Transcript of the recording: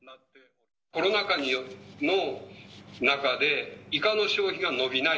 コロナ禍の中で、イカの消費が伸びない。